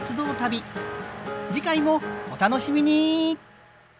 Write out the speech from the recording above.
次回もお楽しみに。